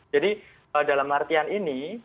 jadi dalam artian ini